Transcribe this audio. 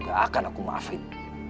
gak akan aku maafin